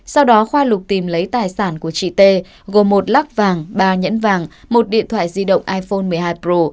sau đó khoa lục tìm lấy tài sản của chị t gồm một lắc vàng ba nhẫn vàng một điện thoại di động iphone một mươi hai pro